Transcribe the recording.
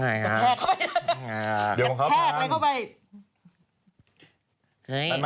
เดี๋ยวมันเข้าไปแพรกอะไรเข้าไป